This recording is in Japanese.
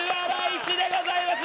市でございます！